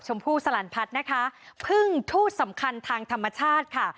ชมพู่สลันพัฒน์นะคะพึ่งทูตสำคัญทางธรรมชาติค่ะ